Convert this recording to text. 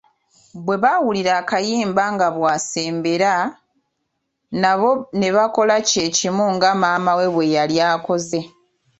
Bwe baawulira akayimba nga bw'asembera, nabo ne bakola kye kimu nga maama we bwe yali akoze .